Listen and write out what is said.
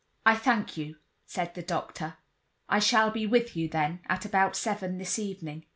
"I thank you," said the doctor. "I shall be with you, then, at about seven this evening."